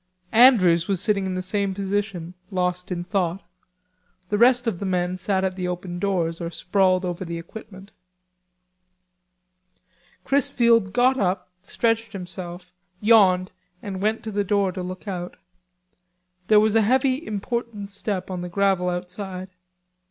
Andrews was sitting in the same position, lost in thought. The rest of the men sat at the open doors or sprawled over the equipment. Chrisfield got up, stretched himself, yawned, and went to the door to look out. There was a heavy important step on the gravel outside.